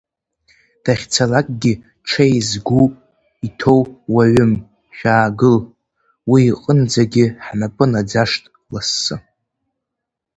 Дахьцалакгьы ҽеи згу иҭоу уаҩым, шәаагыл, уи иҟынӡагьы ҳнапы наӡашт лассы!